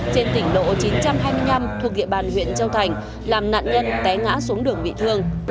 trên tỉnh lộ chín trăm hai mươi năm thuộc địa bàn huyện châu thành làm nạn nhân té ngã xuống đường bị thương